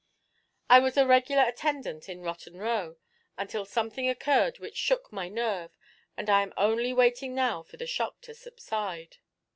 I was a regular attendant in Rotten Row until something occurred which shook my nerve, and I am only waiting now for the shock to subside.'